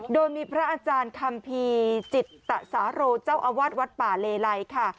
โดยมีพระอาจารย์คัมภีร์จิตตสาโรเจ้าอาวาสวัดป่าเลไลค่ะ